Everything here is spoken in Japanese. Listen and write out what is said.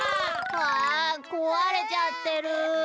うわこわれちゃってる。